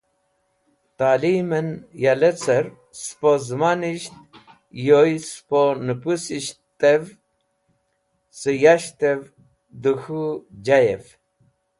Ta’limen ya lecer, spo zẽmanisht yoy spo nũpũsishtev ce, yashtev d k̃hũ jayev.